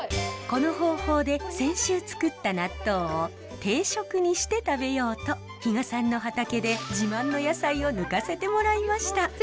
この方法で先週つくった納豆を定食にして食べようと比果さんの畑で自慢の野菜を抜かせてもらいました。